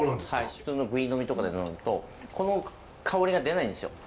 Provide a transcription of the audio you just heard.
普通のぐい呑みとかで呑むとこの香りが出ないんですよ。